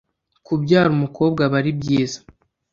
kubyara umukobwa aba ari byiza